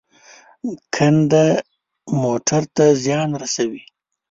کنده موټر ته زیان رسوي.